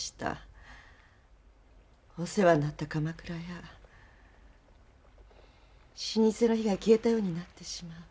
お世話になった鎌倉屋老舗の灯が消えたようになってしまう。